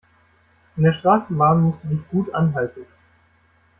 In der Straßenbahn musst du dich gut anhalten.